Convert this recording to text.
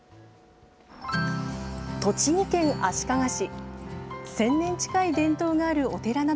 栃木県足利市。